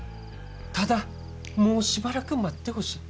ただもうしばらく待ってほしい。